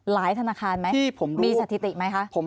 ธนาคารไหมมีสถิติไหมคะ